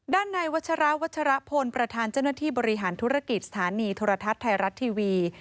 ด้านในวัชราวัชรพลประธานเจ้าหน้าที่บริหารธุรกิจสถานีโทรทัศน์ไทยรัฐทีวี